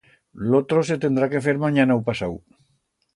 L'otro se tendrá que fer manyana u pasau.